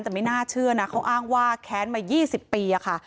แต่ไม่น่าเชื่อนะเค้าอ้างว่าแข็นมายี่สิบปีอะค่ะ